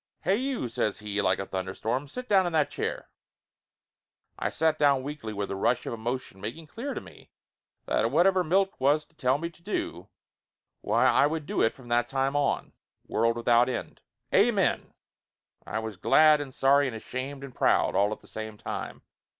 "Hey, you!" says he, like a thunderstorm. "Sit down in that chair!" I sat down weakly, a rush of emotion making clear to me that whatever Milt was to tell me to do, why I would do it from that time on, world without end. Amen ! I was glad and sorry and ashamed and proud, all at the same time.